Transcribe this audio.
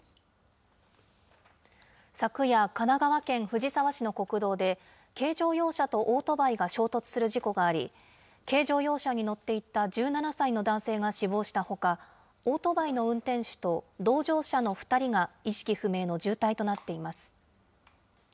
昨夜、神奈川県藤沢市の国道で、軽乗用車とオートバイが衝突する事故があり、軽乗用車に乗っていた１７歳の男性が死亡したほか、オートバイの運転手と同乗者の２人が意識不明の重体となっています。